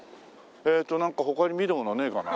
えーとなんか他に見るものねえかな。